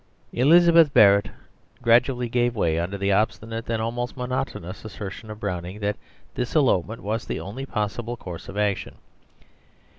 Elizabeth Barrett gradually gave way under the obstinate and almost monotonous assertion of Browning that this elopement was the only possible course of action.